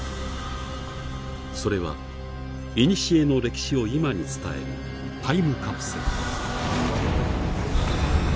それはいにしえの歴史を今に伝えるタイムカプセル。